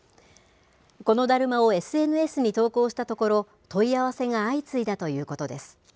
このだるまをＳＮＳに投稿したところ、問い合わせが相次いだということです。